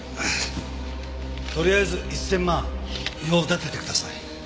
とりあえず１０００万用立ててください。